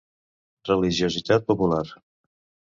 Religiositat popular.